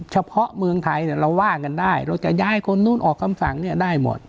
เฉพาะเมืองไทยเราว่ากันได้เราจะย้ายคนนู้นออกคำสั่งได้หมด